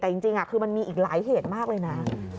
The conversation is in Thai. แต่จริงคือมันมีอีกหลายเหตุมากเลยนะ